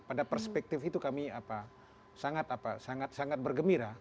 pada perspektif itu kami sangat sangat bergembira